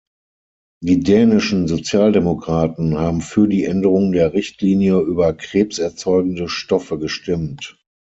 Die dänischen Sozialdemokraten haben für die Änderung der Richtlinie über krebserzeugende Stoffe gestimmt.